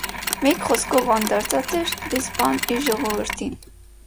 Մէկ խօսքով ան դարձած էր դեսպանը իր ժողովուրդին։